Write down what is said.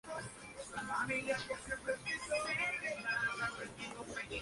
La cizalladura vertical del viento comenzó a debilitar la tormenta a partir de entonces.